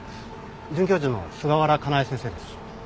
准教授の菅原香奈枝先生です。